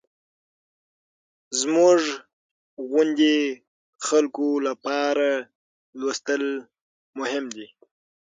زموږ غوندې خلکو لپاره لوستل مهم دي.